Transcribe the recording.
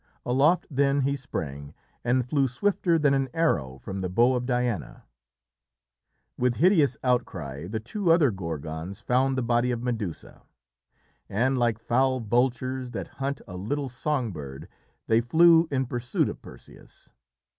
Aloft then he sprang, and flew swifter than an arrow from the bow of Diana. With hideous outcry the two other Gorgons found the body of Medusa, and, like foul vultures that hunt a little song bird, they flew in pursuit of Perseus.